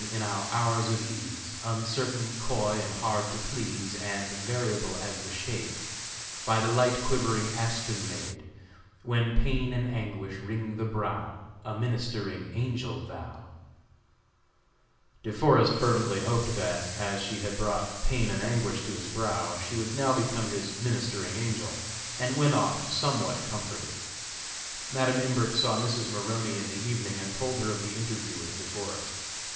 in our hours of ease Uncertain, coy and hard to please, And variable as the shade By the light quivering aspen made: When pain and anguish wring the brow, A ministering Angel thou " De Forest fervently hoped that, as she had brought "pain and anguish" to his brow, she would now become his "ministering angel," and went off somewhat comforted. Madam Imbert saw Mrs. Maroney in the evening and told her of the interview with De Forest.